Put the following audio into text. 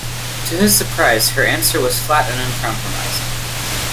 To his surprise, her answer was flat and uncompromising.